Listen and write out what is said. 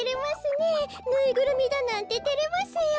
ぬいぐるみだなんでてれますよ！